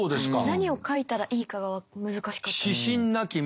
何を書いたらいいかが難しかったです。